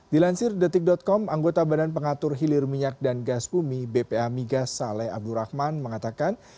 dilansir detik com anggota badan pengatur hilir minyak dan gas bumi bpa migas saleh abdurrahman mengatakan